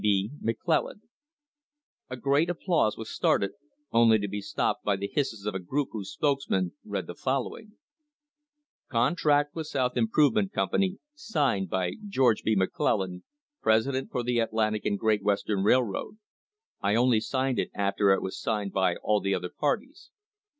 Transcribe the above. G. B. McClellan. A great applause was started, only to be stopped by the hisses of a group whose spokesman read the following: Contract with South Improvement Company signed by George B. McClellan, presi dent for the Atlantic and Great Western Railroad. I only signed it after it was signed by all the other parties.